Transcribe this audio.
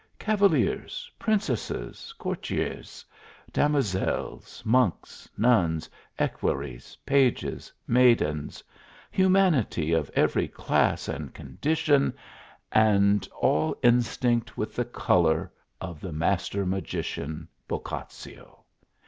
Cavaliers, princesses, courtiers, damoiselles, monks, nuns, equerries, pages, maidens humanity of every class and condition, and all instinct with the color of the master magician, Boccaccio!